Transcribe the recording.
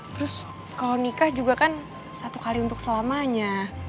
terus kalau nikah juga kan satu kali untuk selamanya